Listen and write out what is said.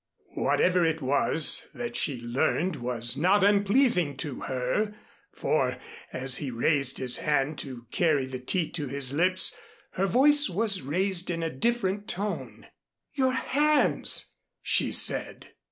Whatever it was that she learned was not unpleasing to her, for, as he raised his hand to carry the tea to his lips, her voice was raised in a different tone. "Your hands!" she said.